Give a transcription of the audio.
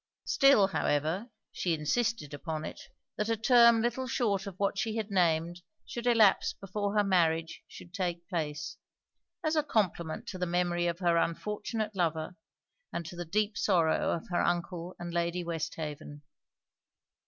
Still, however, she insisted upon it, that a term little short of what she had named should elapse before her marriage should take place; as a compliment to the memory of her unfortunate lover, and to the deep sorrow of her uncle and Lady Westhaven.